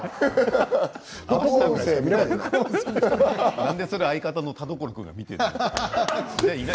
なんで相方の田所君が見ているの？